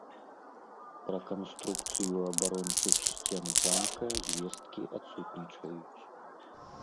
Пра канструкцыю абарончых сцен замка звесткі адсутнічаюць.